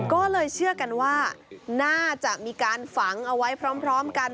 ก็เลยเชื่อกันว่าน่าจะมีการฝังเอาไว้พร้อมกัน